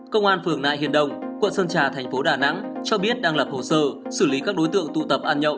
công an phường nại hiền đồng quận sơn trà thành phố đà nẵng cho biết đang lập hồ sơ xử lý các đối tượng tụ tập ăn nhậu